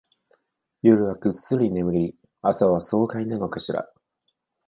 夜はぐっすり眠り、朝は爽快なのかしら